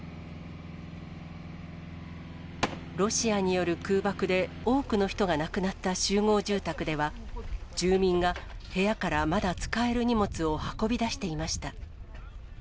ロシアによる空爆で、多くの人が亡くなった集合住宅では、住民が部屋からまだ使える荷物を運び出していました。